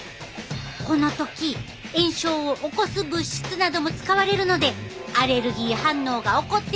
この時炎症を起こす物質なども使われるのでアレルギー反応が起こってしまうというわけや。